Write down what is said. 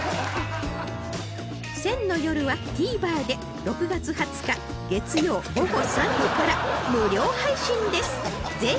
『選の夜』は ＴＶｅｒ で６月２０日月曜ごご３時から無料配信です